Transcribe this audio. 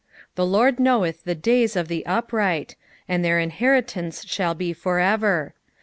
18 The Lord knoweth the days of the upright : and their in heritance shall be for ever.